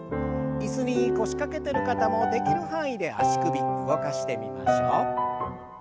椅子に腰掛けてる方もできる範囲で足首動かしてみましょう。